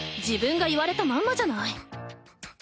自分が言われたまんまじゃない。